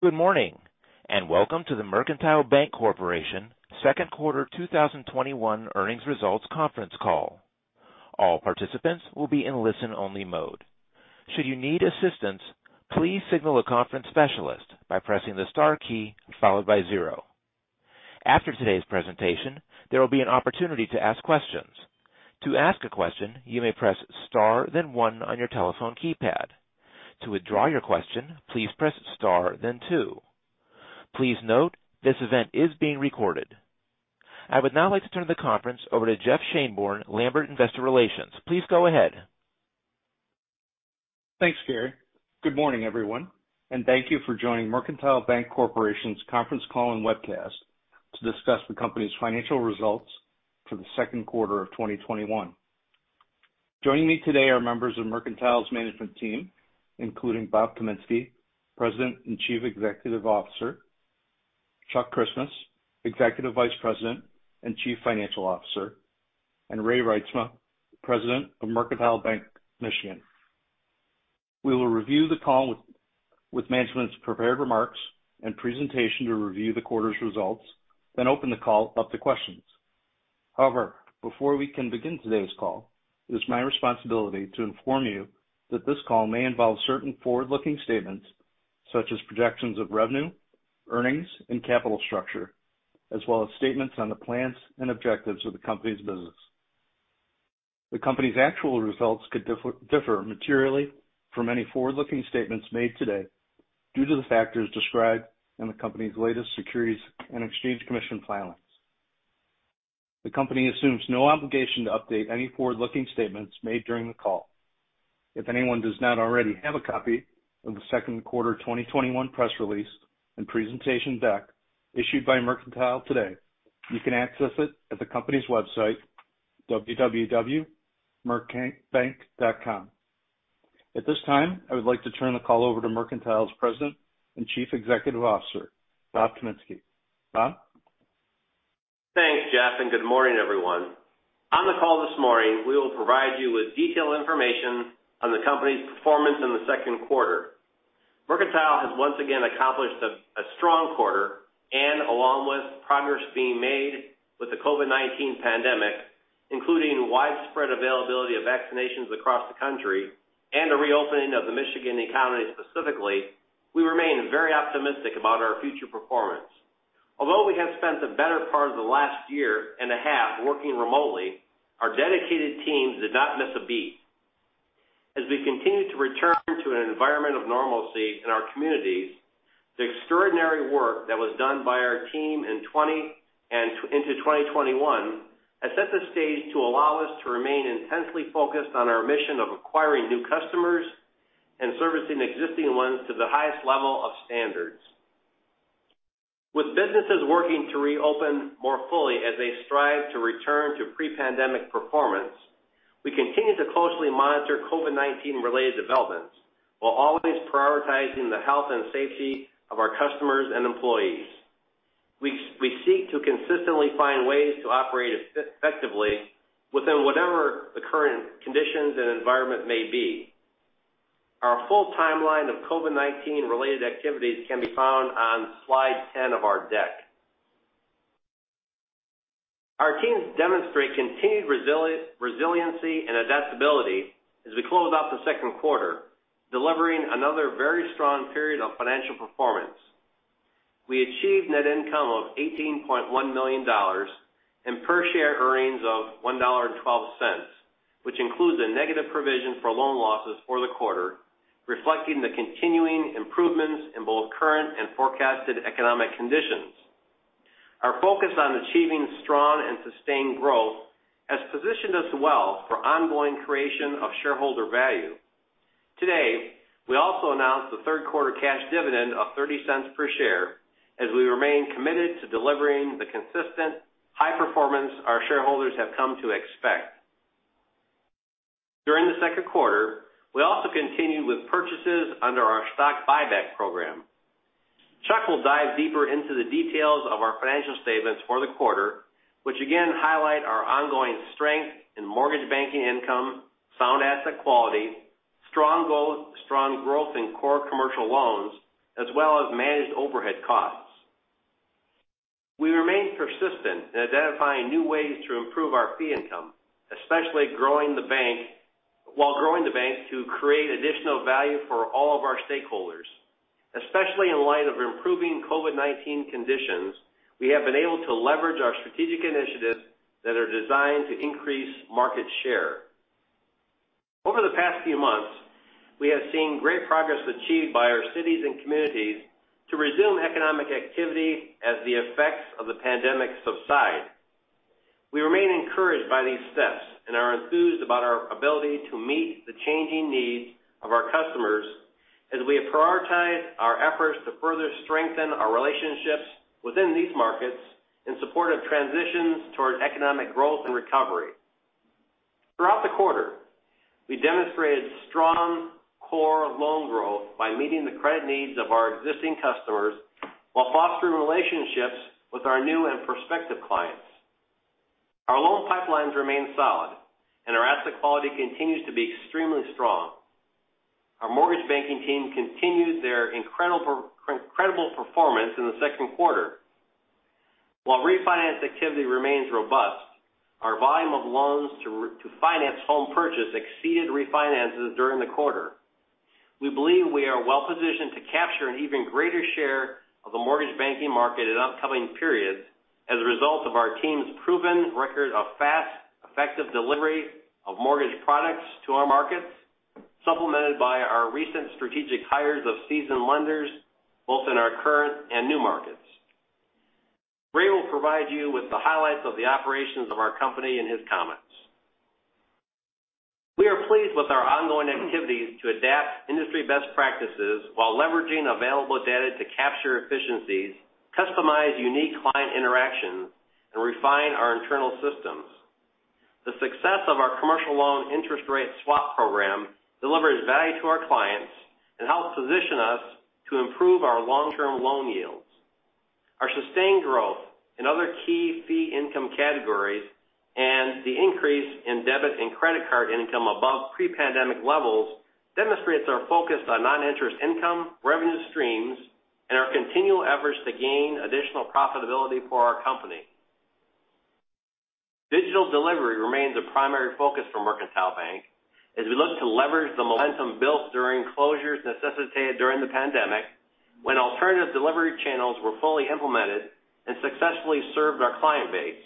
Good morning, and welcome to the Mercantile Bank Corporation Second Quarter 2021 Earnings Results Conference Call. All participants will be in listen-only mode. Should you need assistance, please signal a conference specialist by pressing the star key followed by zero. After today's presentation, there will be an opportunity to ask questions. To ask a question, you may press star then one on your telephone keypad. To withdraw your question, please press star then two. Please note, this event is being recorded. I would now like to turn the conference over to Jeff Schoenborn, Lambert Investor Relations. Please go ahead. Thanks, Gary. Good morning, everyone, and thank you for joining Mercantile Bank Corporation's conference call and webcast to discuss the company's financial results for the second quarter of 2021. Joining me today are members of Mercantile's management team, including Bob Kaminski, President and Chief Executive Officer, Chuck Christmas, Executive Vice President and Chief Financial Officer, and Ray Reitsma, President of Mercantile Bank of Michigan. We will review the call with management's prepared remarks and presentation to review the quarter's results, then open the call up to questions. Before we can begin today's call, it is my responsibility to inform you that this call may involve certain forward-looking statements such as projections of revenue, earnings, and capital structure, as well as statements on the plans and objectives of the company's business. The company's actual results could differ materially from any forward-looking statements made today due to the factors described in the company's latest Securities and Exchange Commission filings. The company assumes no obligation to update any forward-looking statements made during the call. If anyone does not already have a copy of the second quarter 2021 press release and presentation deck issued by Mercantile today, you can access it at the company's website, www.mercbank.com. At this time, I would like to turn the call over to Mercantile's President and Chief Executive Officer, Bob Kaminski. Bob? Thanks, Jeff. Good morning, everyone. On the call this morning, we will provide you with detailed information on the company's performance in the second quarter. Mercantile has once again accomplished a strong quarter. Along with progress being made with the COVID-19 pandemic, including widespread availability of vaccinations across the country and the reopening of the Michigan economy specifically, we remain very optimistic about our future performance. Although we have spent the better part of the last year and a half working remotely, our dedicated teams did not miss a beat. As we continue to return to an environment of normalcy in our communities, the extraordinary work that was done by our team in 2020 and into 2021 has set the stage to allow us to remain intensely focused on our mission of acquiring new customers and servicing existing ones to the highest level of standards. With businesses working to reopen more fully as they strive to return to pre-pandemic performance, we continue to closely monitor COVID-19 related developments, while always prioritizing the health and safety of our customers and employees. We seek to consistently find ways to operate effectively within whatever the current conditions and environment may be. Our full timeline of COVID-19 related activities can be found on slide 10 of our deck. Our teams demonstrate continued resiliency and adaptability as we close out the second quarter, delivering another very strong period of financial performance. We achieved net income of $18.1 million and per share earnings of $1.12, which includes a negative provision for loan losses for the quarter, reflecting the continuing improvements in both current and forecasted economic conditions. Our focus on achieving strong and sustained growth has positioned us well for ongoing creation of shareholder value. Today, we also announced the third-quarter cash dividend of $0.30 per share as we remain committed to delivering the consistent high performance our shareholders have come to expect. During the second quarter, we also continued with purchases under our stock buyback program. Chuck will dive deeper into the details of our financial statements for the quarter, which again highlight our ongoing strength in mortgage banking income, sound asset quality, strong growth in core commercial loans, as well as managed overhead costs. We remain persistent in identifying new ways to improve our fee income, especially while growing the bank to create additional value for all of our stakeholders. Especially in light of improving COVID-19 conditions, we have been able to leverage our strategic initiatives that are designed to increase market share. Over the past few months, we have seen great progress achieved by our cities and communities to resume economic activity as the effects of the pandemic subside. We remain encouraged by these steps and are enthused about our ability to meet the changing needs of our customers as we have prioritized our efforts to further strengthen our relationships within these markets in support of transitions toward economic growth and recovery. Throughout the quarter, we demonstrated strong core loan growth by meeting the credit needs of our existing customers while fostering relationships with our new and prospective clients. Our loan pipelines remain solid, and our asset quality continues to be extremely strong. Our mortgage banking team continued their incredible performance in the second quarter. While refinance activity remains robust, our volume of loans to finance home purchase exceeded refinances during the quarter. We believe we are well-positioned to capture an even greater share of the mortgage banking market in upcoming periods as a result of our team's proven record of fast, effective delivery of mortgage products to our markets, supplemented by our recent strategic hires of seasoned lenders, both in our current and new markets. Ray will provide you with the highlights of the operations of our company in his comments. We are pleased with our ongoing activities to adapt industry best practices while leveraging available data to capture efficiencies, customize unique client interactions, and refine our internal systems. The success of our commercial loan interest rate swap program delivers value to our clients and helps position us to improve our long-term loan yields. Our sustained growth in other key fee income categories and the increase in debit and credit card income above pre-pandemic levels demonstrates our focus on non-interest income, revenue streams, and our continual efforts to gain additional profitability for our company. Digital delivery remains a primary focus for Mercantile Bank as we look to leverage the momentum built during closures necessitated during the pandemic, when alternative delivery channels were fully implemented and successfully served our client base.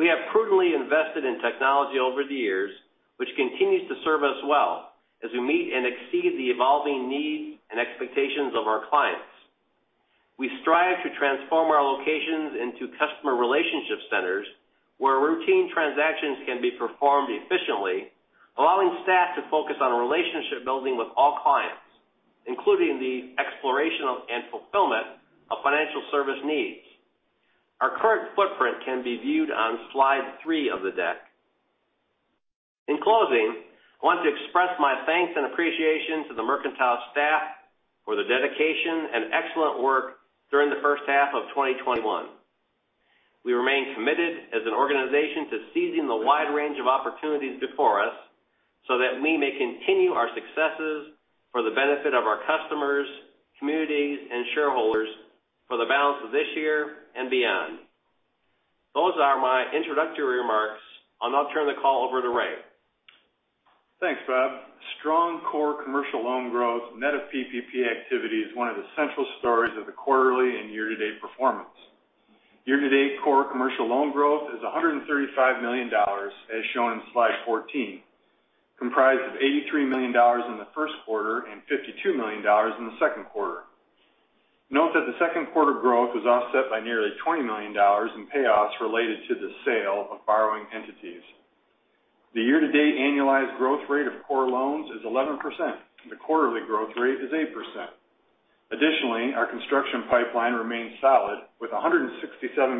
We have prudently invested in technology over the years, which continues to serve us well as we meet and exceed the evolving needs and expectations of our clients. We strive to transform our locations into customer relationship centers where routine transactions can be performed efficiently, allowing staff to focus on relationship building with all clients, including the exploration and fulfillment of financial service needs. Our current footprint can be viewed on slide three of the deck. In closing, I want to express my thanks and appreciation to the Mercantile staff for their dedication and excellent work during the first half of 2021. We remain committed as an organization to seizing the wide range of opportunities before us so that we may continue our successes for the benefit of our customers, communities, and shareholders for the balance of this year and beyond. Those are my introductory remarks. I'll now turn the call over to Ray. Thanks, Bob. Strong core commercial loan growth net of PPP activity is one of the central stories of the quarterly and year-to-date performance. Year-to-date core commercial loan growth is $135 million, as shown in slide 14, comprised of $83 million in the first quarter and $52 million in the second quarter. Note that the second quarter growth was offset by nearly $20 million in payoffs related to the sale of borrowing entities. The year-to-date annualized growth rate of core loans is 11%, and the quarterly growth rate is 8%. Additionally, our construction pipeline remains solid, with $167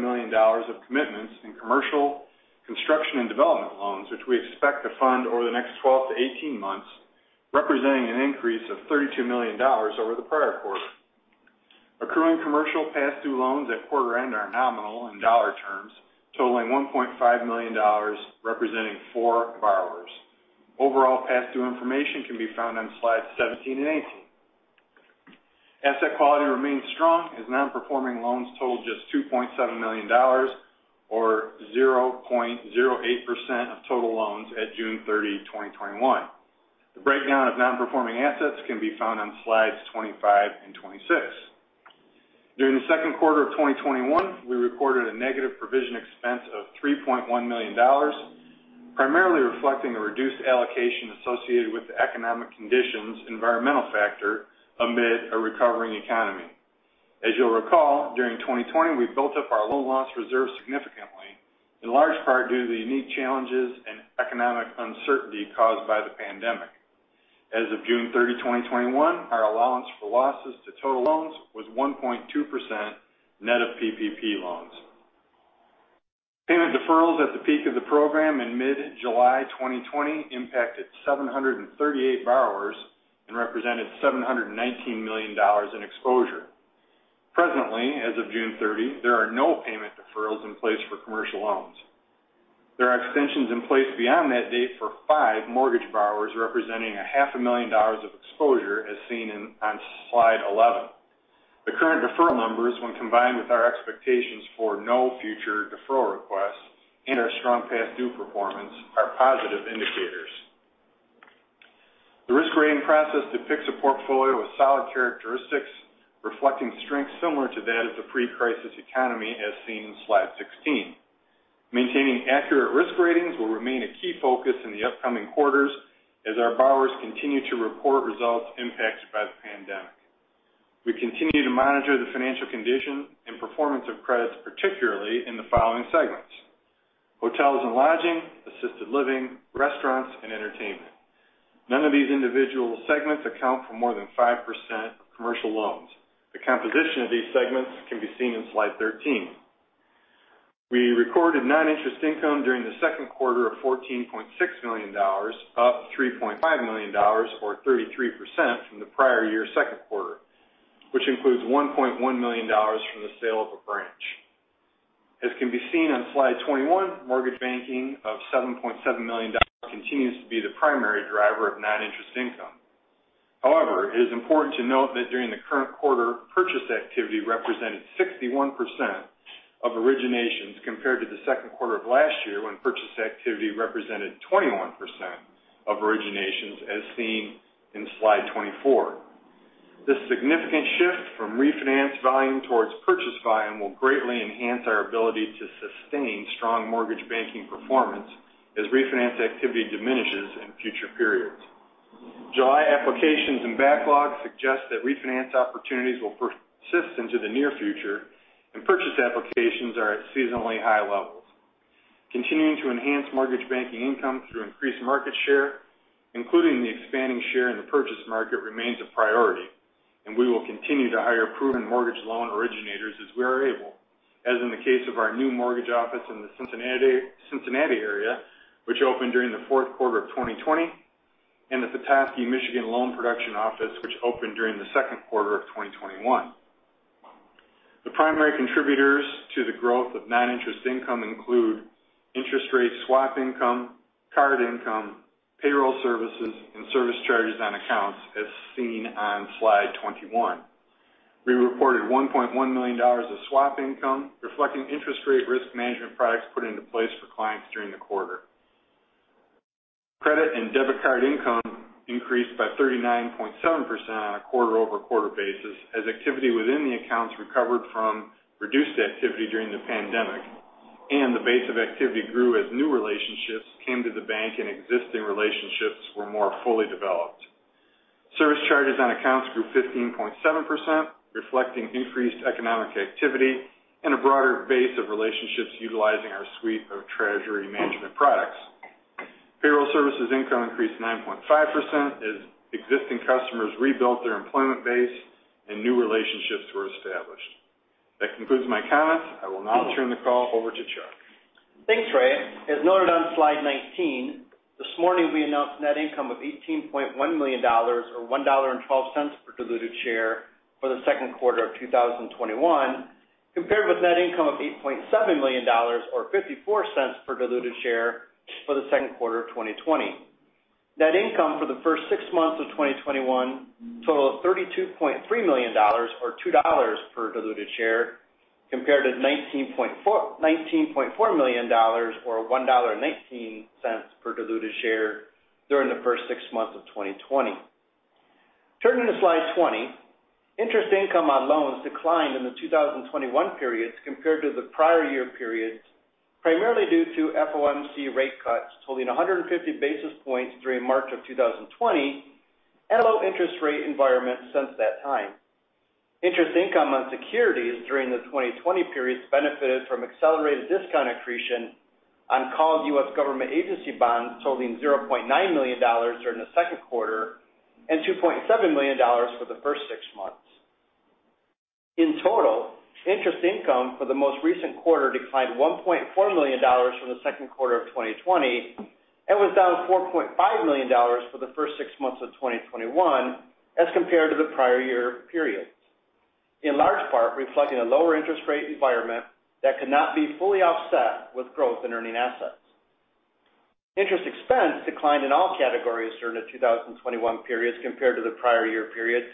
million of commitments in commercial construction and development loans, which we expect to fund over the next 12 to 18 months, representing an increase of $32 million over the prior quarter. Accruing commercial past due loans at quarter end are nominal in dollar terms, totaling $1.5 million, representing four borrowers. Overall past due information can be found on slides 17 and 18. Asset quality remains strong, as non-performing loans total just $2.7 million, or 0.08% of total loans at June 30, 2021. The breakdown of non-performing assets can be found on slides 25 and 26. During the second quarter of 2021, we recorded a negative provision expense of $3.1 million, primarily reflecting a reduced allocation associated with the economic conditions environmental factor amid a recovering economy. As you'll recall, during 2020, we built up our loan loss reserve significantly, in large part due to the unique challenges and economic uncertainty caused by the pandemic. As of June 30, 2021, our allowance for losses to total loans was 1.2%, net of PPP loans. Payment deferrals at the peak of the program in mid-July 2020 impacted 738 borrowers and represented $719 million in exposure. Presently, as of June 30, there are no payment deferrals in place for commercial loans. There are extensions in place beyond that date for five mortgage borrowers, representing a half a million dollars of exposure, as seen on slide 11. The current deferral numbers, when combined with our expectations for no future deferral requests and our strong past due performance, are positive indicators. The risk rating process depicts a portfolio with solid characteristics reflecting strength similar to that of the pre-crisis economy, as seen in slide 16. Maintaining accurate risk ratings will remain a key focus in the upcoming quarters as our borrowers continue to report results impacted by the pandemic. We continue to monitor the financial condition and performance of credits, particularly in the following segments: hotels and lodging, assisted living, restaurants, and entertainment. None of these individual segments account for more than 5% of commercial loans. The composition of these segments can be seen in slide 13. We recorded non-interest income during the second quarter of $14.6 million, up $3.5 million, or 33%, from the prior year second quarter. Which includes $1.1 million from the sale of a branch. As can be seen on slide 21, mortgage banking of $7.7 million continues to be the primary driver of non-interest income. However, it is important to note that during the current quarter, purchase activity represented 61% of originations, compared to the second quarter of last year, when purchase activity represented 21% of originations, as seen in slide 24. This significant shift from refinance volume towards purchase volume will greatly enhance our ability to sustain strong mortgage banking performance as refinance activity diminishes in future periods. July applications and backlogs suggest that refinance opportunities will persist into the near future, and purchase applications are at seasonally high levels. Continuing to enhance mortgage banking income through increased market share, including the expanding share in the purchase market, remains a priority, and we will continue to hire proven mortgage loan originators as we are able, as in the case of our new mortgage office in the Cincinnati area, which opened during the fourth quarter of 2020, and the Petoskey, Michigan, loan production office, which opened during the second quarter of 2021. The primary contributors to the growth of non-interest income include interest rate swap income, card income, payroll services, and service charges on accounts, as seen on slide 21. We reported $1.1 million of swap income, reflecting interest rate risk management products put into place for clients during the quarter. Credit and debit card income increased by 39.7% on a quarter-over-quarter basis as activity within the accounts recovered from reduced activity during the pandemic, and the base of activity grew as new relationships came to the bank and existing relationships were more fully developed. Service charges on accounts grew 15.7%, reflecting increased economic activity and a broader base of relationships utilizing our suite of treasury management products. Payroll services income increased 9.5% as existing customers rebuilt their employment base and new relationships were established. That concludes my comments. I will now turn the call over to Chuck. Thanks, Ray. As noted on slide 19, this morning, we announced net income of $18.1 million, or $1.12 per diluted share for the second quarter of 2021, compared with net income of $8.7 million, or $0.54 per diluted share for the second quarter of 2020. Net income for the first six months of 2021 total of $32.3 million, or $2 per diluted share, compared to $19.4 million, or $1.19 per diluted share during the first six months of 2020. Turning to slide 20, interest income on loans declined in the 2021 periods compared to the prior year periods, primarily due to FOMC rate cuts totaling 150 basis points during March of 2020 and a low interest rate environment since that time. Interest income on securities during the 2020 periods benefited from accelerated discount accretion on called U.S. government agency bonds totaling $0.9 million during the second quarter and $2.7 million for the first six months. In total, interest income for the most recent quarter declined $1.4 million from the second quarter of 2020 and was down $4.5 million for the first six months of 2021 as compared to the prior year periods, in large part reflecting a lower interest rate environment that could not be fully offset with growth in earning assets. Interest expense declined in all categories during the 2021 periods compared to the prior year periods,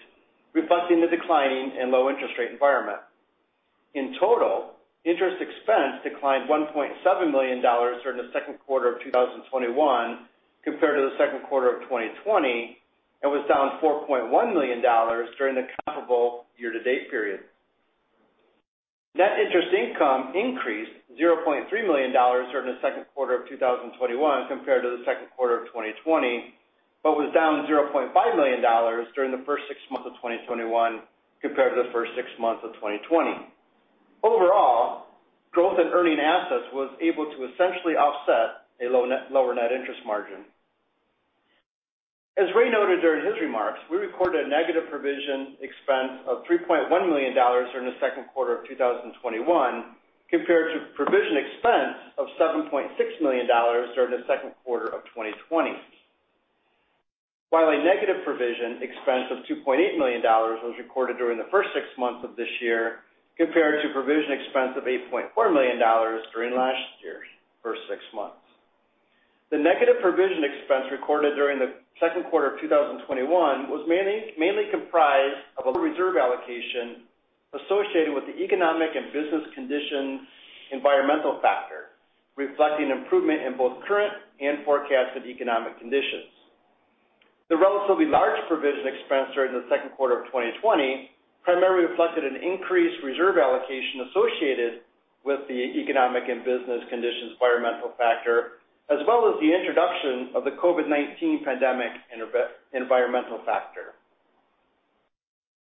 reflecting the declining and low interest rate environment. In total, interest expense declined $1.7 million during the second quarter of 2021 compared to the second quarter of 2020, and was down $4.1 million during the comparable year-to-date period. Net interest income increased $0.3 million during the second quarter of 2021 compared to the second quarter of 2020, but was down $0.5 million during the first six months of 2021 compared to the first six months of 2020. Overall, growth in earning assets was able to essentially offset a lower net interest margin. As Ray noted during his remarks, we recorded a negative provision expense of $3.1 million during the second quarter of 2021, compared to provision expense of $7.6 million during the second quarter of 2020. While a negative provision expense of $2.8 million was recorded during the first six months of this year, compared to provision expense of $8.4 million during last year's first six months. The negative provision expense recorded during the second quarter of 2021 was mainly comprised of a reserve allocation associated with the economic and business condition environmental factor, reflecting improvement in both current and forecasted economic conditions. The relatively large provision expense during the second quarter of 2020 primarily reflected an increased reserve allocation associated with the economic and business conditions environmental factor, as well as the introduction of the COVID-19 pandemic environmental factor.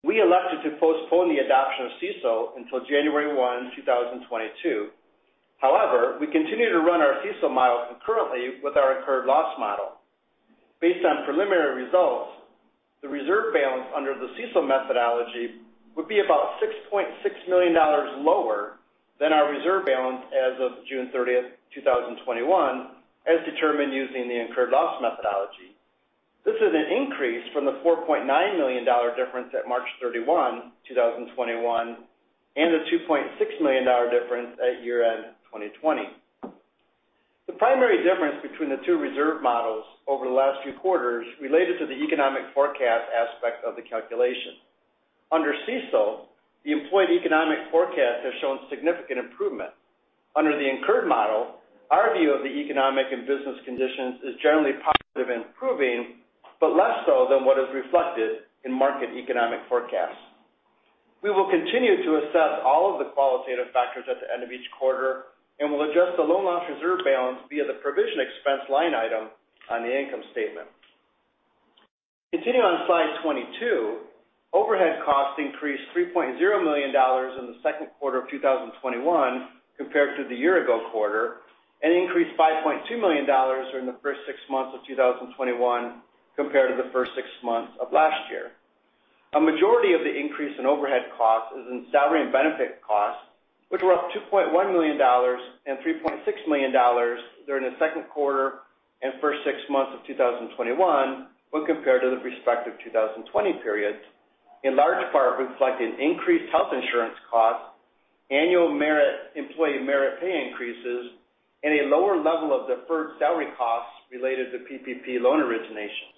We elected to postpone the adoption of CECL until January 1, 2022. However, we continue to run our CECL model concurrently with our incurred loss model. Based on preliminary results, the reserve balance under the CECL methodology would be about $6.6 million lower than our reserve balance as of June 30th, 2021, as determined using the incurred loss methodology. This is an increase from the $4.9 million difference at March 31, 2021, and the $2.6 million difference at year-end 2020. The primary difference between the two reserve models over the last few quarters related to the economic forecast aspect of the calculation. Under CECL, the employed economic forecast has shown significant improvement. Under the incurred model, our view of the economic and business conditions is generally positive and improving, but less so than what is reflected in market economic forecasts. We will continue to assess all of the qualitative factors at the end of each quarter, and we'll adjust the loan loss reserve balance via the provision expense line item on the income statement. Continuing on slide 22, overhead costs increased $3.0 million in the second quarter of 2021 compared to the year ago quarter, and increased $5.2 million during the first six months of 2021 compared to the first six months of last year. A majority of the increase in overhead costs is in salary and benefit costs, which were up $2.1 million and $3.6 million during the second quarter and first six months of 2021 when compared to the respective 2020 periods, in large part reflecting increased health insurance costs, annual employee merit pay increases, and a lower level of deferred salary costs related to PPP loan originations.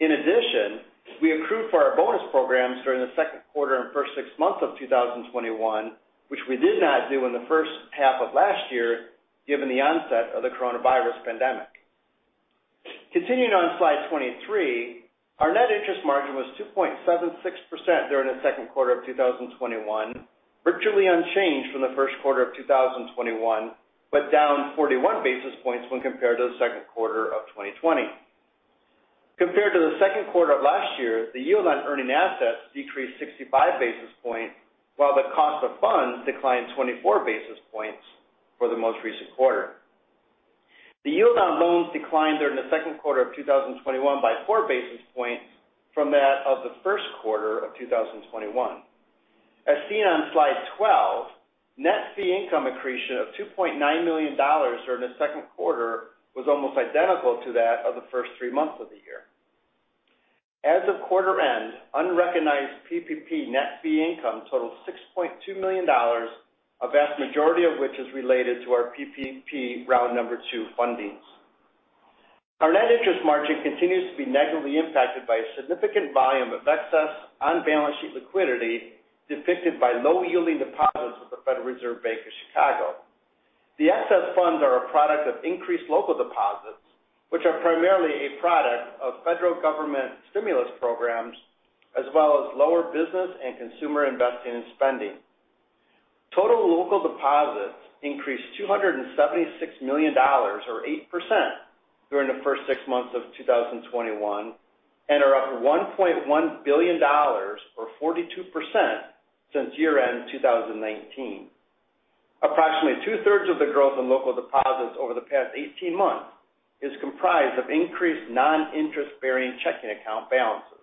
In addition, we accrued for our bonus programs during the second quarter and first six months of 2021, which we did not do in the first half of last year, given the onset of the coronavirus pandemic. Continuing on slide 23, our net interest margin was 2.76% during the second quarter of 2021, virtually unchanged from the first quarter of 2021, but down 41 basis points when compared to the second quarter of 2020. Compared to the second quarter of last year, the yield on earning assets decreased 65 basis points, while the cost of funds declined 24 basis points for the most recent quarter. The yield on loans declined during the second quarter of 2021 by 4 basis points from that of the first quarter of 2021. As seen on slide 12, net fee income accretion of $2.9 million during the second quarter was almost identical to that of the first 3 months of the year. As of quarter end, unrecognized PPP net fee income totaled $6.2 million, a vast majority of which is related to our PPP Round number two fundings. Our net interest margin continues to be negatively impacted by a significant volume of excess on-balance sheet liquidity depicted by low-yielding deposits with the Federal Reserve Bank of Chicago. The excess funds are a product of increased local deposits, which are primarily a product of federal government stimulus programs, as well as lower business and consumer investing and spending. Total local deposits increased $276 million or 8% during the first six months of 2021 and are up $1.1 billion or 42% since year-end 2019. Approximately two-thirds of the growth in local deposits over the past 18 months is comprised of increased non-interest-bearing checking account balances.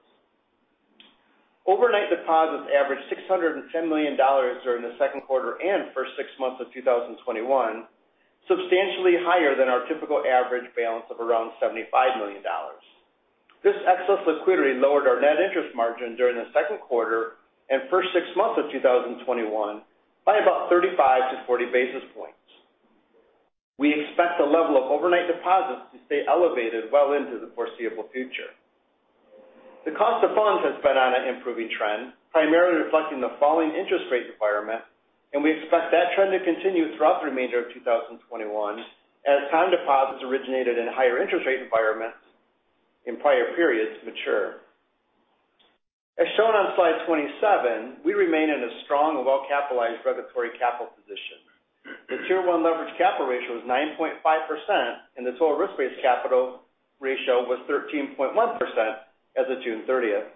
Overnight deposits averaged $610 million during the second quarter and first six months of 2021, substantially higher than our typical average balance of around $75 million. This excess liquidity lowered our net interest margin during the second quarter and first six months of 2021 by about 35-40 basis points. We expect the level of overnight deposits to stay elevated well into the foreseeable future. The cost of funds has been on an improving trend, primarily reflecting the falling interest rate environment, and we expect that trend to continue throughout the remainder of 2021 as time deposits originated in higher interest rate environments in prior periods mature. As shown on slide 27, we remain in a strong and well-capitalized regulatory capital position. The Tier 1 leverage capital ratio was 9.5%, and the total risk-based capital ratio was 13.1% as of June 30th.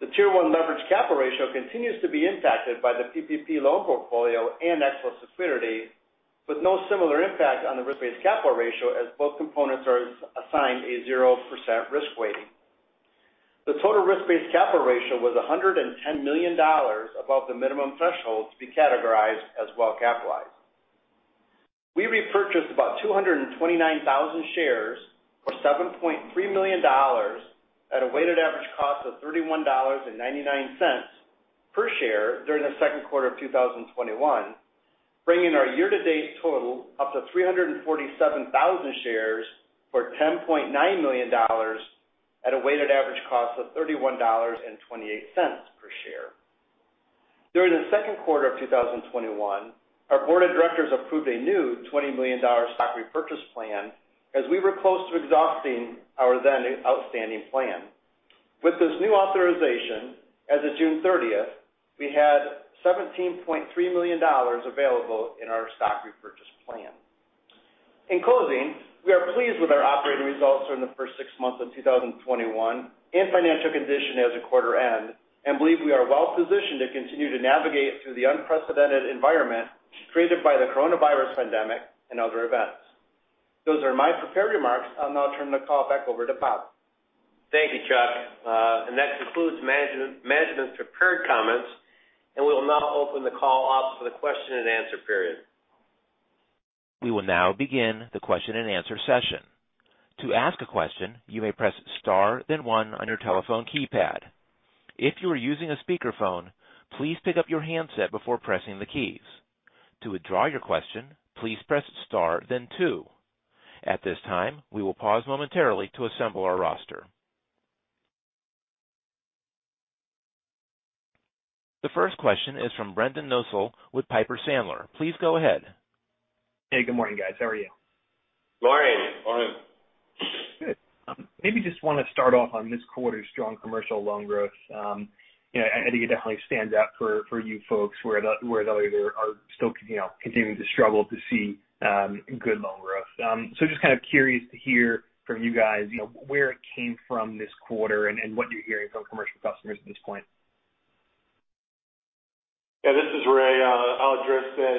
The Tier 1 leverage capital ratio continues to be impacted by the PPP loan portfolio and excess liquidity, with no similar impact on the total risk-based capital ratio as both components are assigned a 0% risk weighting. The total risk-based capital ratio was $110 million above the minimum threshold to be categorized as well-capitalized. We repurchased about 229,000 shares for $7.3 million at a weighted average cost of $31.99 per share during the second quarter of 2021, bringing our year-to-date total up to 347,000 shares for $10.9 million at a weighted average cost of $31.28 per share. During the second quarter of 2021, our board of directors approved a new $20 million stock repurchase plan as we were close to exhausting our then outstanding plan. With this new authorization, as of June 30th, we had $17.3 million available in our stock repurchase plan. In closing, we are pleased with our operating results during the first six months of 2021 and financial condition as of quarter end, and believe we are well positioned to continue to navigate through the unprecedented environment created by the coronavirus pandemic and other events. Those are my prepared remarks. I'll now turn the call back over to Bob. Thank you, Chuck. That concludes management's prepared comments, and we'll now open the call up for the question and answer period. We will now begin the question-and-answer session. To ask a question, you may press star then one on your telephone keypad. If you are using a speakerphone, please pick up your handset before pressing the keys. To withdraw your question, please press star then two. At this time, we will pause momentarily to assemble our roster. The first question is from Brendan Nosal with Piper Sandler. Please go ahead. Hey, good morning, guys. How are you? Morning. Morning. Good. Maybe just want to start off on this quarter's strong commercial loan growth. I think it definitely stands out for you folks where others are still continuing to struggle to see good loan growth. Just kind of curious to hear from you guys where it came from this quarter and what you're hearing from commercial customers at this point. Yeah, this is Ray. I'll address that.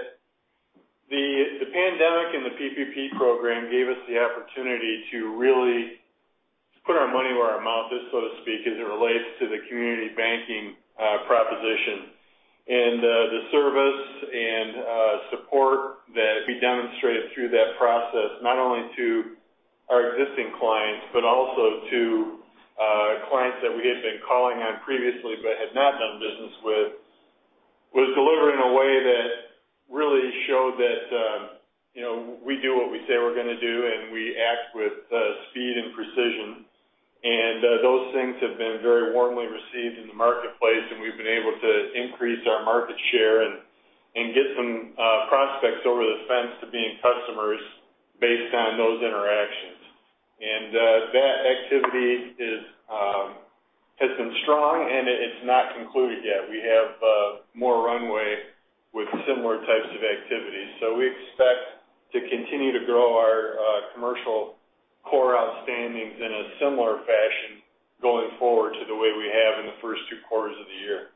The pandemic and the PPP program gave us the opportunity to really put our money where our mouth is, so to speak, as it relates to the community banking proposition. The service and support that we demonstrated through that process, not only to our existing clients but also to clients that we had been calling on previously but had not done business with, was delivered in a way that really showed that we do what we say we're going to do, and we act with speed and precision. Those things have been very warmly received in the marketplace, and we've been able to increase our market share and get some prospects over the fence to being customers based on those interactions. That activity has been strong, and it's not concluded yet. We have more runway with similar types of activities. We expect to continue to grow our commercial core outstandings in a similar fashion going forward to the way we have in the first two quarters of the year.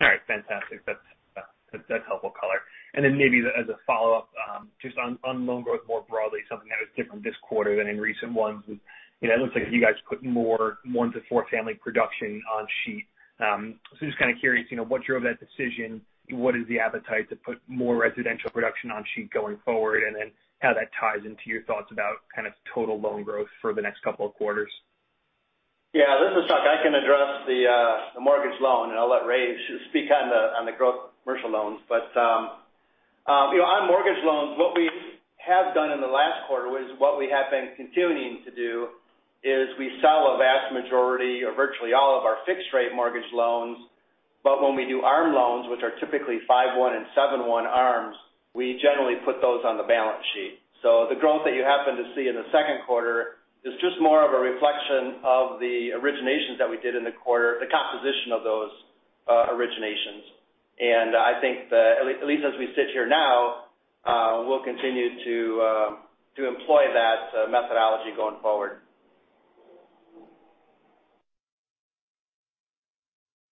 All right. Fantastic. That's helpful color. Then maybe as a follow-up, just on loan growth more broadly, something that was different this quarter than in recent ones. It looks like you guys put more 1 to 4 family production on sheet. Just kind of curious, what drove that decision? What is the appetite to put more residential production on sheet going forward, and then how that ties into your thoughts about total loan growth for the next two quarters? Yeah. This is Chuck. I can address the mortgage loan, and I'll let Ray speak on the growth commercial loans. On mortgage loans, what we have done in the last quarter was what we have been continuing to do is we sell a vast majority or virtually all of our fixed rate mortgage loans. When we do ARM loans, which are typically 5/1 and 7/1 ARMs, we generally put those on the balance sheet. The growth that you happen to see in the second quarter is just more of a reflection of the originations that we did in the quarter, the composition of those originations. I think that at least as we sit here now, we'll continue to employ that methodology going forward.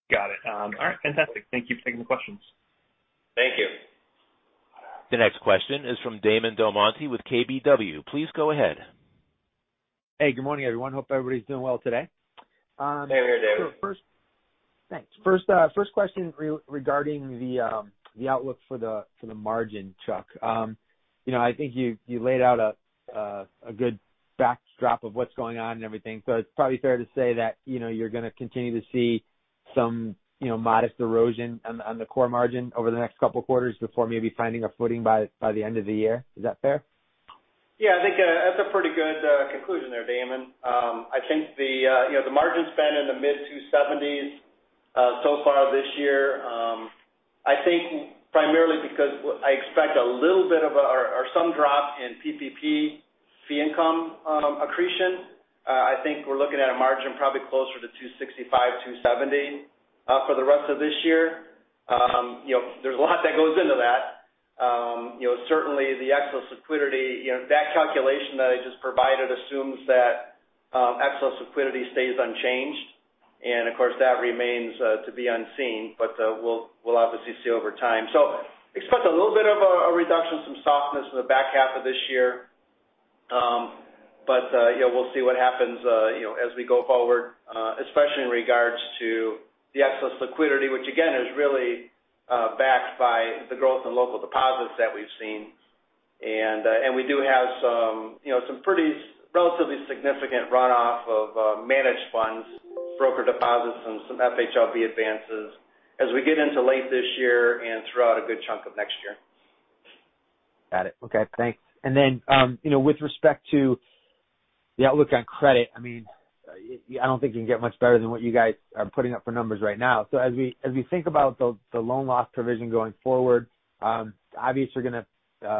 Got it. All right. Fantastic. Thank you for taking the questions. Thank you. The next question is from Damon DelMonte with KBW. Please go ahead. Hey, good morning, everyone. Hope everybody's doing well today. Hey. Hey, Damon. Thanks. First question regarding the outlook for the margin, Chuck. I think you laid out a good backdrop of what's going on and everything. It's probably fair to say that you're going to continue to see some modest erosion on the core margin over the next couple of quarters before maybe finding a footing by the end of the year. Is that fair? I think that's a pretty good conclusion there, Damon. I think the margin's been in the mid-270s so far this year. I think primarily because I expect a little bit of or some drop in PPP fee income accretion. I think we're looking at a margin probably closer to 265, 270 for the rest of this year. There's a lot that goes into that. Certainly the excess liquidity. That calculation that I just provided assumes that excess liquidity stays unchanged. Of course, that remains to be unseen. We'll obviously see over time. Expect a little bit of a reduction, some softness in the back half of this year. We'll see what happens as we go forward, especially in regards to the excess liquidity, which again is really backed by the growth in local deposits that we've seen. We do have some pretty relatively significant runoff of managed funds, broker deposits, and some FHLB advances as we get into late this year and throughout a good chunk of next year. Got it. Okay, thanks. With respect to the outlook on credit, I don't think you can get much better than what you guys are putting up for numbers right now. As we think about the loan loss provision going forward, obvious you're going to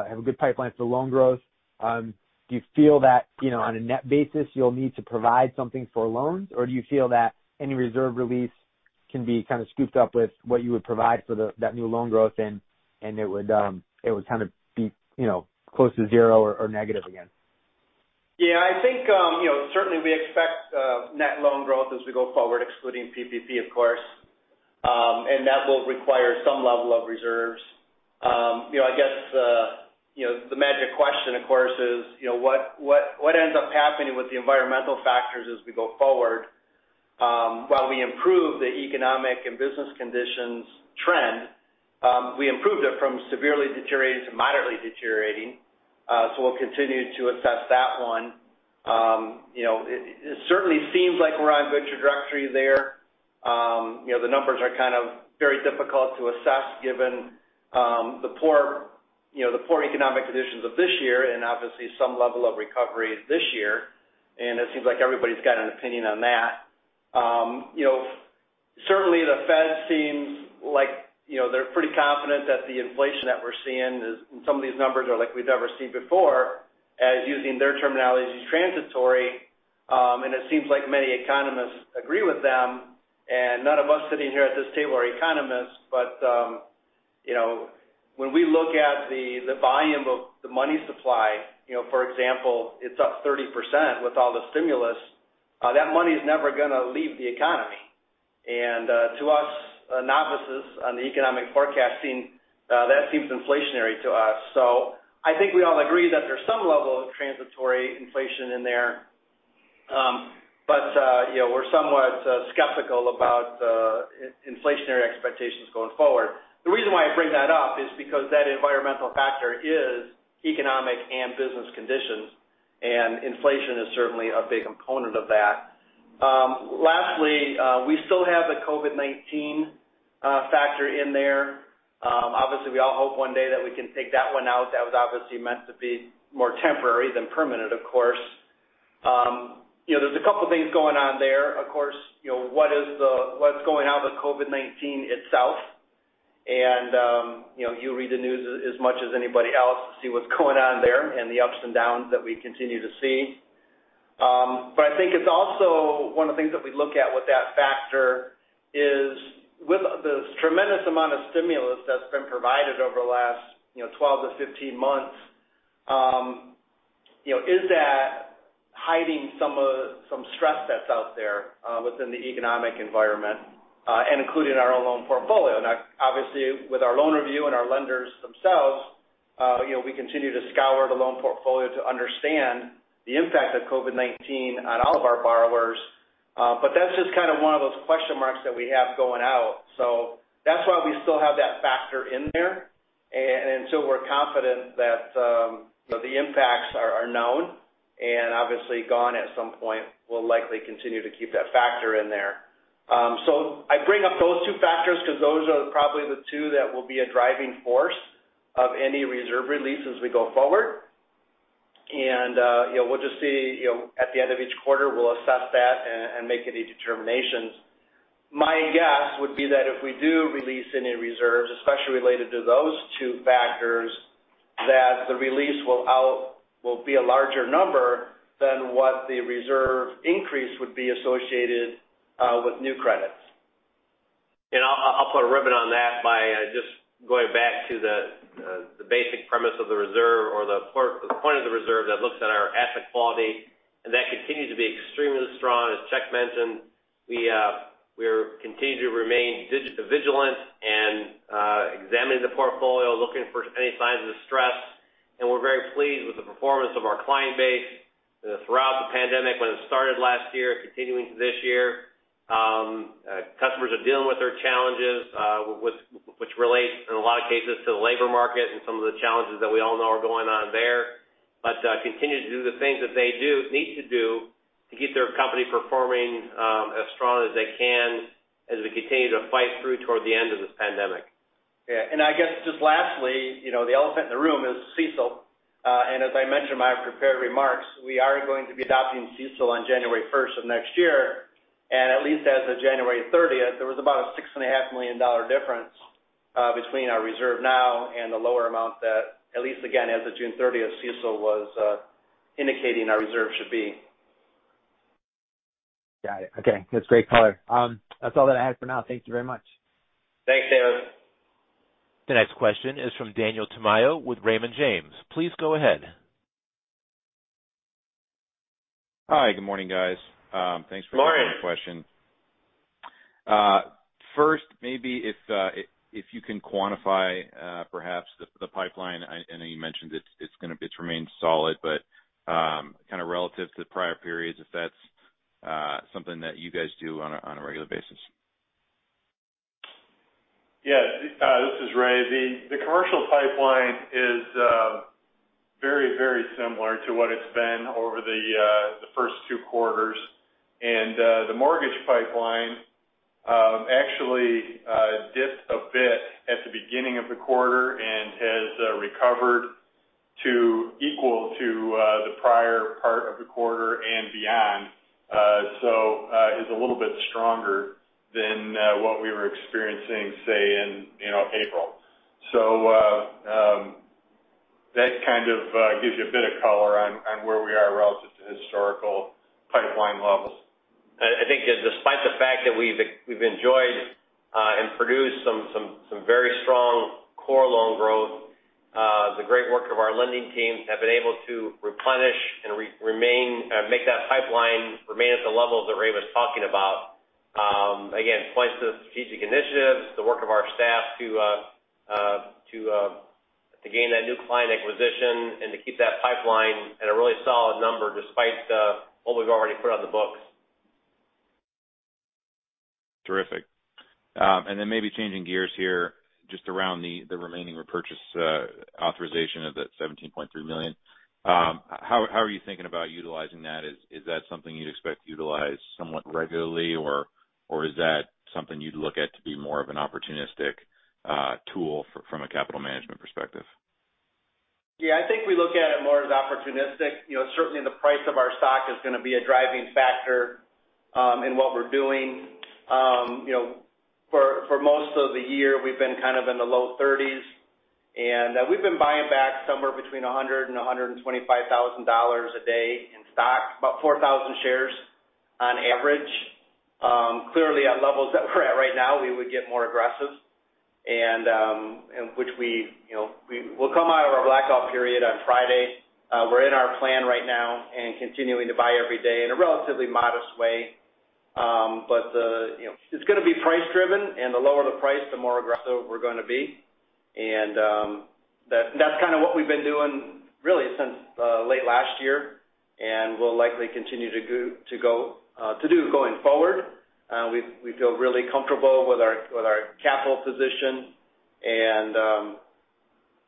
have a good pipeline for loan growth. Do you feel that on a net basis you'll need to provide something for loans, or do you feel that any reserve release can be kind of scooped up with what you would provide for that new loan growth and it would kind of be close to zero or negative again? Yeah, I think certainly we expect net loan growth as we go forward, excluding PPP, of course. That will require some level of reserves. I guess the magic question, of course, is what ends up happening with the environmental factors as we go forward while we improve the economic and business conditions trend? We improved it from severely deteriorating to moderately deteriorating, we'll continue to assess that one. It certainly seems like we're on good trajectory there. The numbers are kind of very difficult to assess given the poor economic conditions of this year, obviously some level of recovery this year, it seems like everybody's got an opinion on that. Certainly, the Fed seems like they're pretty confident that the inflation that we're seeing is, some of these numbers are like we've never seen before, as using their terminology, is transitory. It seems like many economists agree with them, none of us sitting here at this table are economists. When we look at the volume of the money supply, for example, it's up 30% with all the stimulus. That money's never going to leave the economy. To us novices on economic forecasting, that seems inflationary to us. I think we all agree that there's some level of transitory inflation in there. We're somewhat skeptical about inflationary expectations going forward. The reason why I bring that up is because that environmental factor is economic and business conditions, and inflation is certainly a big component of that. Lastly, we still have the COVID-19 factor in there. Obviously, we all hope one day that we can take that one out. That was obviously meant to be more temporary than permanent, of course. There's a couple of things going on there. Of course, what's going on with COVID-19 itself, and you read the news as much as anybody else to see what's going on there and the ups and downs that we continue to see. I think it's also one of the things that we look at with that factor is, with the tremendous amount of stimulus that's been provided over the last 12-15 months, is that hiding some stress that's out there within the economic environment and including our own loan portfolio? Now, obviously, with our loan review and our lenders themselves, we continue to scour the loan portfolio to understand the impact of COVID-19 on all of our borrowers. That's just kind of one of those question marks that we have going out. That's why we still have that factor in there. Until we're confident that the impacts are known and obviously gone at some point, we'll likely continue to keep that factor in there. I bring up those two factors because those are probably the two that will be a driving force of any reserve release as we go forward. We'll just see at the end of each quarter, we'll assess that and make any determinations. My guess would be that if we do release any reserves, especially related to those two factors, that the release will be a larger number than what the reserve increase would be associated with new credits. I'll put a ribbon on that by just going back to the basic premise of the reserve or the point of the reserve that looks at our asset quality, and that continues to be extremely strong. As Chuck mentioned, we continue to remain vigilant and examining the portfolio, looking for any signs of stress, and we're very pleased with the performance of our client base throughout the pandemic when it started last year, continuing to this year. Customers are dealing with their challenges which relate in a lot of cases to the labor market and some of the challenges that we all know are going on there, continue to do the things that they need to do to keep their company performing as strong as they can as we continue to fight through toward the end of this pandemic. Yeah. I guess just lastly, the elephant in the room is CECL. As I mentioned in my prepared remarks, we are going to be adopting CECL on January 1st of next year. At least as of January 30th, there was about a $6.5 million difference between our reserve now and the lower amount that, at least again, as of June 30th, CECL was indicating our reserve should be. Got it. Okay. That's great color. That's all that I had for now. Thank you very much. Thanks, Damon. The next question is from Daniel Tamayo with Raymond James. Please go ahead. Hi. Good morning, guys. Thanks for taking the question. Morning. Maybe if you can quantify perhaps the pipeline? I know you mentioned it's remained solid. Kind of relative to prior periods, if that's something that you guys do on a regular basis? Yeah. This is Ray. The commercial pipeline is very similar to what it's been over the first two quarters. The mortgage pipeline actually dipped a bit at the beginning of the quarter and has recovered to equal to the prior part of the quarter and beyond. Is a little bit stronger than what we were experiencing, say in April. That kind of gives you a bit of color on where we are relative to historical pipeline levels. I think despite the fact that we've enjoyed and produced some very strong. Our lending teams have been able to replenish and make that pipeline remain at the levels that Ray was talking about. Again, points to the strategic initiatives, the work of our staff to gain that new client acquisition and to keep that pipeline at a really solid number despite what we've already put on the books. Terrific. Maybe changing gears here, just around the remaining repurchase authorization of that $17.3 million. How are you thinking about utilizing that? Is that something you'd expect to utilize somewhat regularly, or is that something you'd look at to be more of an opportunistic tool from a capital management perspective? Yeah, I think we look at it more as opportunistic. Certainly, the price of our stock is going to be a driving factor in what we're doing. For most of the year, we've been kind of in the low 30s, and we've been buying back somewhere between $100,000-$125,000 a day in stock, about 4,000 shares on average. Clearly, at levels that we're at right now, we would get more aggressive. We'll come out of our black-out period on Friday. We're in our plan right now and continuing to buy every day in a relatively modest way. It's going to be price-driven, and the lower the price, the more aggressive we're going to be. That's kind of what we've been doing really since late last year and will likely continue to do going forward. We feel really comfortable with our capital position, and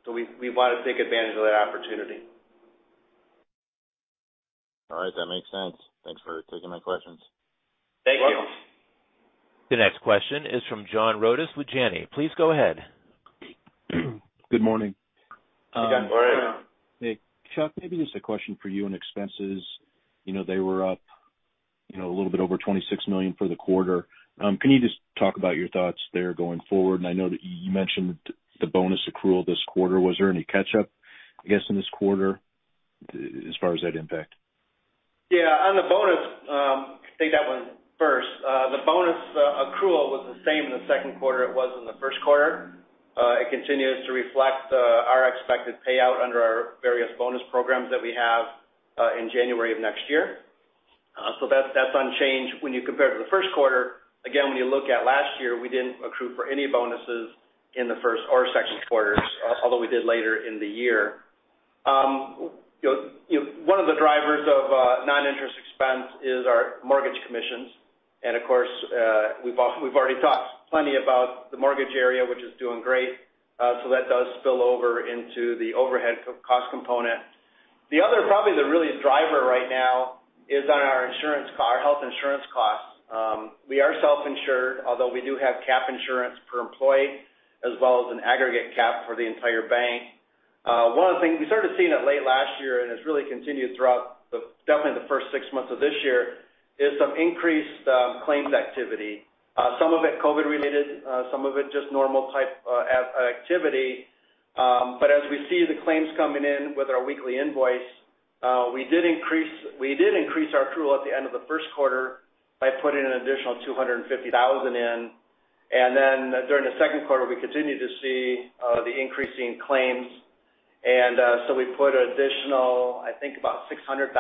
so we want to take advantage of that opportunity. All right. That makes sense. Thanks for taking my questions. Thank you. You're welcome. The next question is from John Rodis with Janney. Please go ahead. Good morning. Hey, John. Hey. Chuck, maybe just a question for you on expenses. They were up a little bit over $26 million for the quarter. Can you just talk about your thoughts there going forward? I know that you mentioned the bonus accrual this quarter. Was there any catch-up, I guess, in this quarter as far as that impact? Yeah. On the bonus, I'll take that one first. The bonus accrual was the same in the second quarter it was in the first quarter. It continues to reflect our expected payout under our various bonus programs that we have in January of next year. That's unchanged when you compare to the first quarter. Again, when you look at last year, we didn't accrue for any bonuses in the first or second quarters, although we did later in the year. One of the drivers of non-interest expense is our mortgage commissions. Of course, we've already talked plenty about the mortgage area, which is doing great. That does spill over into the overhead cost component. The other, probably the really driver right now, is on our health insurance costs. We are self-insured, although we do have cap insurance per employee, as well as an aggregate cap for the entire bank. One of the things, we started seeing it late last year, and it's really continued throughout definitely the first six months of this year, is some increased claims activity. Some of it COVID-related, some of it just normal type activity. As we see the claims coming in with our weekly invoice, we did increase our accrual at the end of the first quarter by putting an additional $250,000 in. During the second quarter, we continued to see the increase in claims. We put an additional, I think about $600,000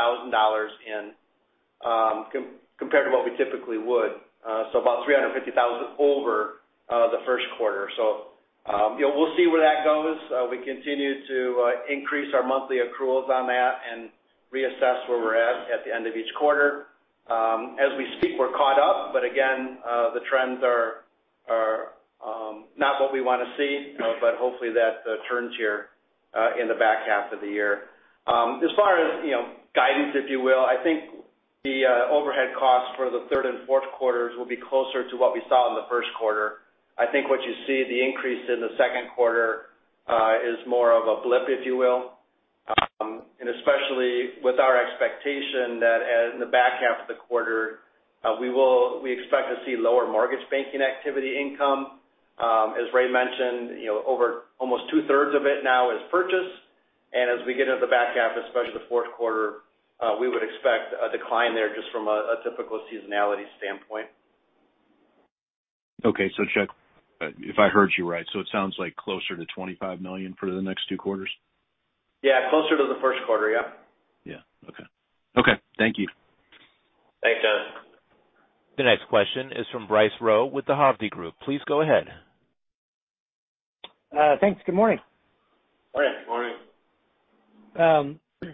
in, compared to what we typically would. About $350,000 over the first quarter. We'll see where that goes. We continue to increase our monthly accruals on that and reassess where we're at the end of each quarter. As we speak, we're caught up, but again, the trends are not what we want to see. Hopefully that turns here in the back half of the year. As far as guidance, if you will, I think the overhead costs for the third and fourth quarters will be closer to what we saw in the first quarter. I think what you see, the increase in the second quarter is more of a blip, if you will. Especially with our expectation that in the back half of the quarter, we expect to see lower mortgage banking activity income. As Ray mentioned, almost 2/3 of it now is purchase. As we get into the back half, especially the fourth quarter, we would expect a decline there just from a typical seasonality standpoint. Okay. Chuck, if I heard you right, so it sounds like closer to $25 million for the next two quarters? Yeah. Closer to the first quarter, yeah. Yeah. Okay. Okay. Thank you. Thanks, John. The next question is from Bryce Rowe with the Hovde Group. Please go ahead. Thanks. Good morning. Morning. Morning. Chuck,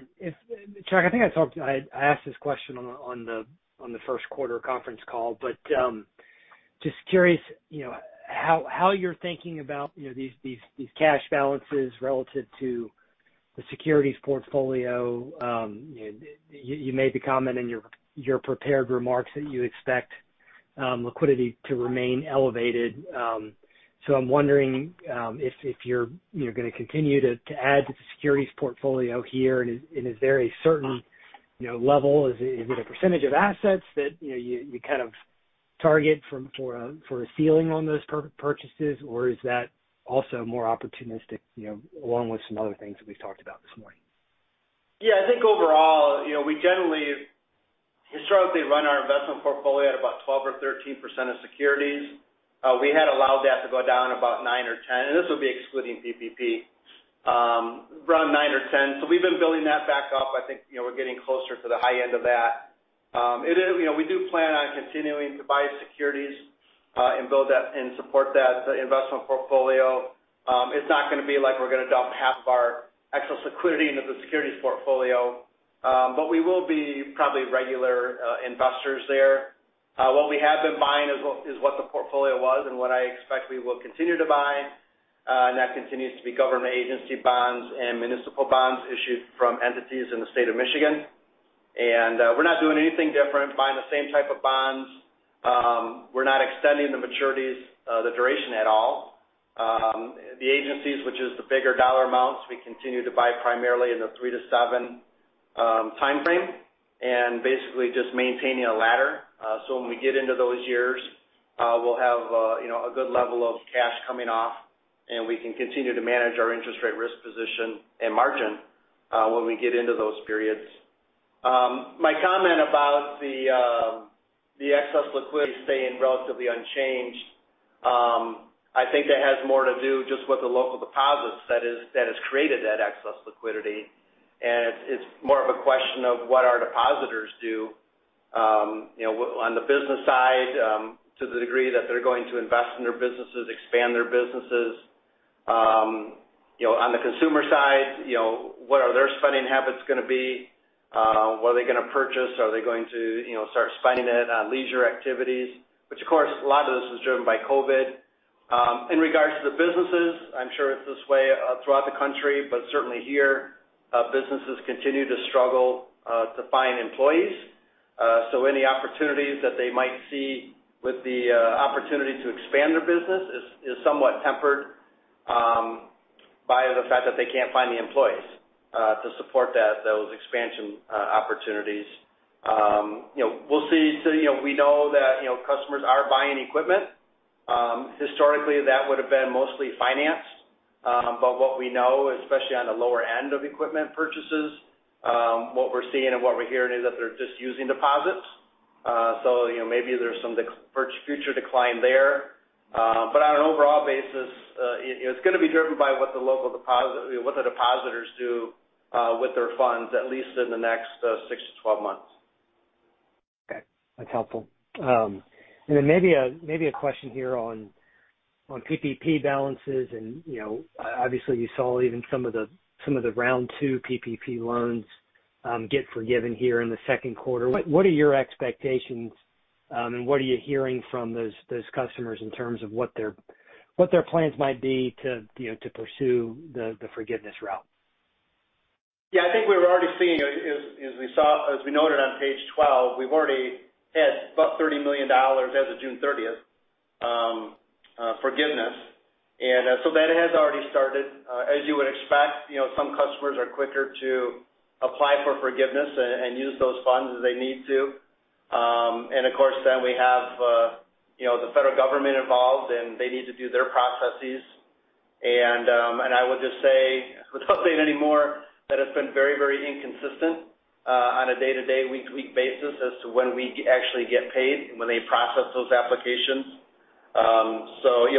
I think I asked this question on the first quarter conference call, but just curious how you're thinking about these cash balances relative to the securities portfolio. You made the comment in your prepared remarks that you expect liquidity to remain elevated. I'm wondering if you're going to continue to add to the securities portfolio here, and is there a certain level? Is it a percentage of assets that you kind of target for a ceiling on those purchases, or is that also more opportunistic along with some other things that we've talked about this morning? Yeah, I think overall we generally- Historically run our investment portfolio at about 12% or 13% of securities. We had allowed that to go down about 9 or 10, and this would be excluding PPP. Around 9 or 10. We've been building that back up. I think we're getting closer to the high end of that. We do plan on continuing to buy securities and support that investment portfolio. It's not going to be like we're going to dump half of our excess liquidity into the securities portfolio. We will be probably regular investors there. What we have been buying is what the portfolio was and what I expect we will continue to buy. That continues to be government agency bonds and municipal bonds issued from entities in the state of Michigan. We're not doing anything different, buying the same type of bonds. We're not extending the maturities, the duration at all. The agencies, which is the bigger dollar amounts, we continue to buy primarily in the 3-7 timeframe. Basically just maintaining a ladder. When we get into those years, we'll have a good level of cash coming off, and we can continue to manage our interest rate risk position and margin when we get into those periods. My comment about the excess liquidity staying relatively unchanged, I think that has more to do just with the local deposits that has created that excess liquidity. It's more of a question of what our depositors do on the business side to the degree that they're going to invest in their businesses, expand their businesses. On the consumer side, what are their spending habits going to be? What are they going to purchase? Are they going to start spending it on leisure activities? Which, of course, a lot of this is driven by COVID. In regards to the businesses, I'm sure it's this way throughout the country, but certainly here, businesses continue to struggle to find employees. Any opportunities that they might see with the opportunity to expand their business is somewhat tempered by the fact that they can't find the employees to support those expansion opportunities. We know that customers are buying equipment. Historically, that would've been mostly financed. What we know, especially on the lower end of equipment purchases, what we're seeing and what we're hearing is that they're just using deposits. Maybe there's some future decline there. On an overall basis, it's going to be driven by what the depositors do with their funds, at least in the next 6-12 months. Okay. That's helpful. Then maybe a question here on PPP balances and obviously you saw even some of the round two PPP loans get forgiven here in the second quarter. What are your expectations and what are you hearing from those customers in terms of what their plans might be to pursue the forgiveness route? Yeah, I think we were already seeing, as we noted on page 12, we've already had about $30 million as of June 30th forgiveness. That has already started. As you would expect, some customers are quicker to apply for forgiveness and use those funds as they need to. Of course, we have the federal government involved, and they need to do their processes. I would just say, without saying any more, that it's been very, very inconsistent on a day-to-day, week-to-week basis as to when we actually get paid, when they process those applications.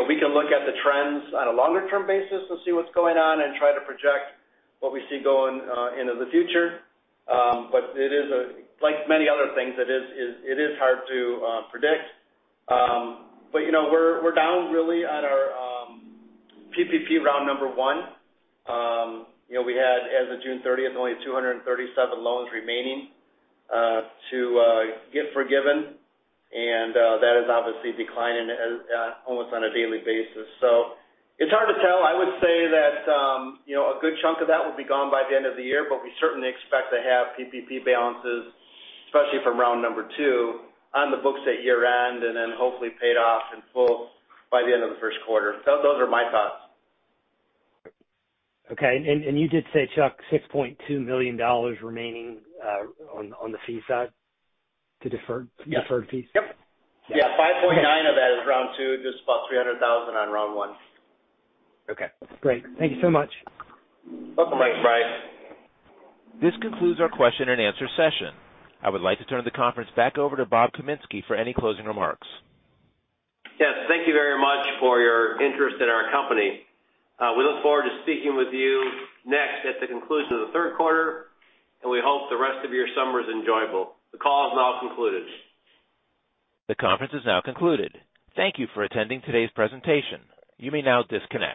We can look at the trends on a longer term basis to see what's going on and try to project what we see going into the future. Like many other things, it is hard to predict. We're down really at our PPP round number one. We had, as of June 30th, only 237 loans remaining to get forgiven. That is obviously declining almost on a daily basis. It's hard to tell. I would say that a good chunk of that will be gone by the end of the year, but we certainly expect to have PPP balances, especially from round number two, on the books at year end, and then hopefully paid off in full by the end of the first quarter. Those are my thoughts. Okay. You did say, Chuck, $6.2 million remaining on the fee side to deferred fees? Yep. Yeah, $5.9 of that is round two, just about $300,000 on round one. Okay, great. Thank you so much. You're welcome, Bryce. This concludes our question and answer session. I would like to turn the conference back over to Bob Kaminski for any closing remarks. Yes. Thank you very much for your interest in our company. We look forward to speaking with you next at the conclusion of the third quarter. We hope the rest of your summer is enjoyable. The call is now concluded. The conference is now concluded. Thank you for attending today's presentation. You may now disconnect.